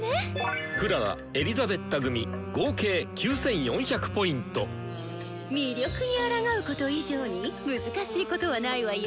クララエリザベッタ組合計魅力にあらがうこと以上に難しいことはないわよ。